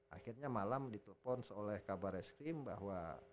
akhirnya malam ditelepon oleh kabar eskrim bahwa